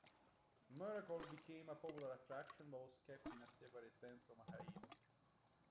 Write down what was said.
Miracle became a popular attraction, but was kept in a separate pen from Haida.